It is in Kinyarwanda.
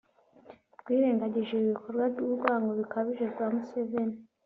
rwirengagije ibi bikorwa bw’urwango rukabije bya Museveni